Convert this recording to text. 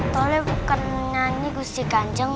tolong bukan nyanyi gusti kanjeng